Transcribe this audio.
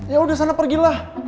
yaudah sana pergilah